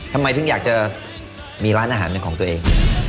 ทำไมถึงอยากจะมีร้านอาหารเป็นของตัวเอง